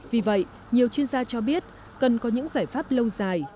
vì vậy nhiều chuyên gia cho biết cần có những giải pháp lâu dài